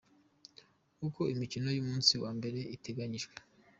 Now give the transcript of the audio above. Uko imikino y’umunsi wa mbere iteganyijwe.